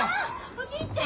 おじいちゃん！